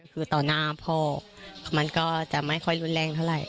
คือต่อหน้าพ่อมันก็จะไม่ค่อยรุนแรงเท่าไหร่